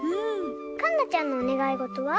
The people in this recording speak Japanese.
かんなちゃんのおねがいごとは？